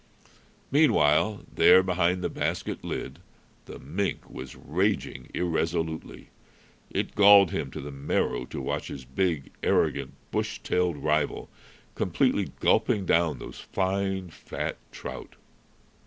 Meanwhile, there behind the basket lid, the mink was raging irresolutely. It galled him to the marrow to watch his big, arrogant, bush tailed rival complacently gulping down those fine fat trout.